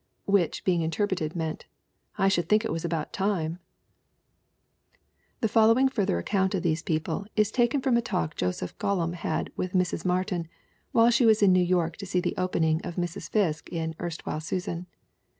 Which, being interpreted, meant: 'I should think it was about time !'' The following further account of these people is taken from a talk Joseph Gollomb had with Mrs. Martin while she was in New York to see the opening of Mrs. Fiske in Erstwhile Susan.